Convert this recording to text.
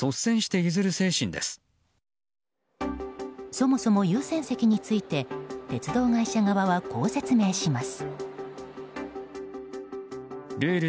そもそも優先席について鉄道会社側はこう説明します。